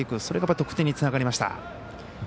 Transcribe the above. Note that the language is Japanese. それが得点につながりました。